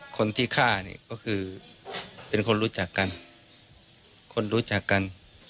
คนที่ฆ่านี่เป็นคนรู้จักกัน